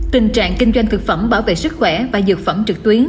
tình trạng kinh doanh thực phẩm bảo vệ sức khỏe và dược phẩm trực tuyến